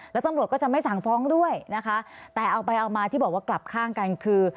แล้วตำรวจก็จะไม่สั่งฟ้องด้วยนะคะแต่เอาไปเอามาที่บอกว่ากลับข้างกันคือ